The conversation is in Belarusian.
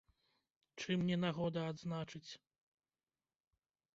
Чым не нагода адзначыць!